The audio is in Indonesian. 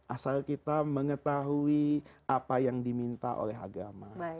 asal kita mengetahui apa yang diminta oleh agama